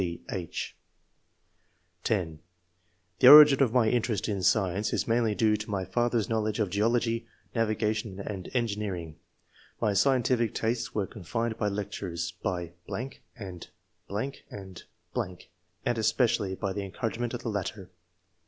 {d, h) (10) "The origin of my interest in science is mainly due to my father's knowledge of geology, navigation, and engineering. My scien tij&c tastes were confirmed by lectures, by .... and .... and .... and especially by the encouragement of the latter."